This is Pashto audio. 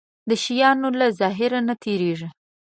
د شيانو له ظاهر نه تېرېږي.